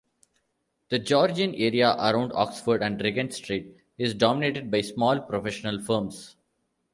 The Georgian area around Oxford and Regent Streets is dominated by small professional firms.